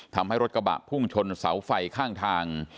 ทำให้รถกระบะพุ่งชนเสาไฟข้างทาง